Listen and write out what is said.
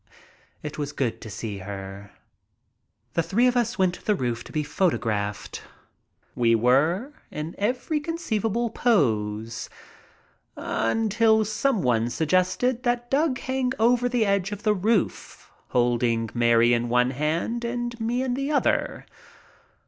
It was good to see her. The three of us went to the roof to be photographed. We were, in every conceivable pose until some one suggested that Doug hang over the edge of the roof, holding Mary in one hand and me in the other.